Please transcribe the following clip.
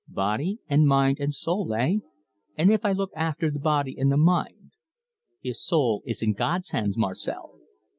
"Body and mind and soul, eh? And if I look after the body and the mind?" "His soul is in God's hands, Marcel."